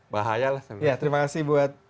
bahayalah saya ya terima kasih buat